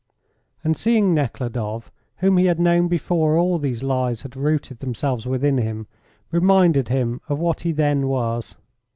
And seeing Nekhludoff, whom he had known before all these lies had rooted themselves within him, reminded him of what he then was.